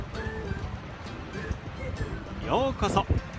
ようこそ。